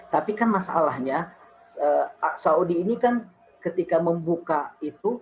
tapi kan masalahnya saudi ini kan ketika membuka itu